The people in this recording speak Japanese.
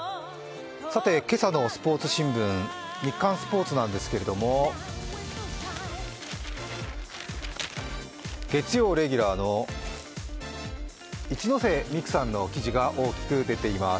さて今朝のスポーツ新聞、日刊スポーツなんですけれども、月曜レギュラーの一ノ瀬美空さんの記事が大きく出ています。